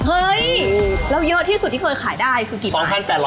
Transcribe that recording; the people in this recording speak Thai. เฮ้ยแล้วเยอะที่สุดที่เคยขายได้คือกี่ปี